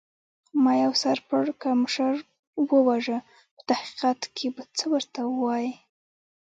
ما یو سر پړکمشر و وژه، په تحقیقاتو کې به څه ورته وایې؟